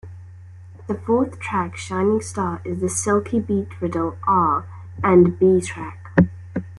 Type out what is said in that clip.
The fourth track "Shining Star" is a "slinky beat-riddled R and B track".